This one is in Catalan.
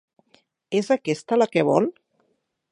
És aquesta la que vol?